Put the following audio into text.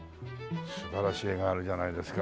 素晴らしい絵があるじゃないですか。